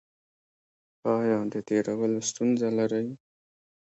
ایا د تیرولو ستونزه لرئ؟